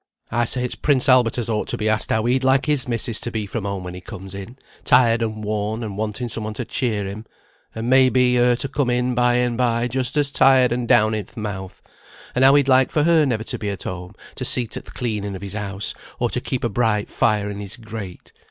"I say it's Prince Albert as ought to be asked how he'd like his missis to be from home when he comes in, tired and worn, and wanting some one to cheer him; and may be, her to come in by and bye, just as tired and down in th' mouth; and how he'd like for her never to be at home to see to th' cleaning of his house, or to keep a bright fire in his grate.